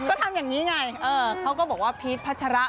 ก็ทำอย่างนี้ไงเขาก็บอกว่าพีชพัชระ